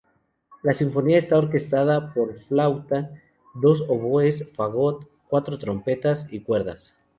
La sinfonía está orquestada para flauta, dos oboes, fagot, cuatro trompas y cuerdas.